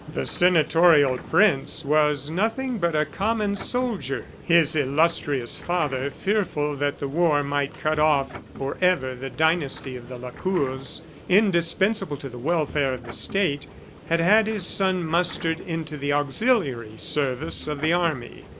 The senatorial prince was nothing but a common soldier. His illustrious father, fearful that the war might cut off forever the dynasty of the Lacours, indispensable to the welfare of the State, had had his son mustered into the auxiliary service of the army.